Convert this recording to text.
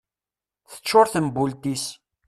Tecčur tembult-is